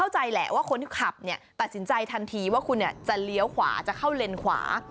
ที่ขับเนี่ยตัดสินใจทันทีว่าคุณเนี่ยจะเลี้ยวขวาจะเข้าเลนส์ขวา